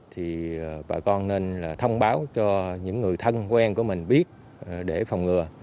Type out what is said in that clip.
thì bà con nên là thông báo cho những người thân quen của mình biết để phòng ngừa